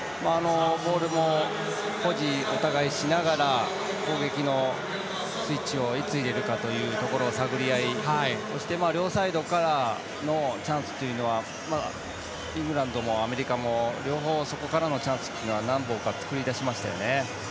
ボールの保持をお互いにしながら攻撃のスイッチをいつ入れるかというところの探り合いをして両サイドからのチャンスはイングランドもアメリカも両方そこからのチャンスは何本か作り出しましたよね。